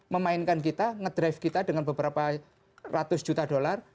memainkan kita ngedrive kita dengan beberapa ratus juta dolar